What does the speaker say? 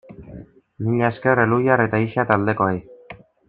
Mila esker Elhuyar eta Ixa taldekoei!